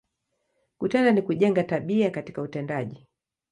Kutenda, ni kujenga, tabia katika utendaji.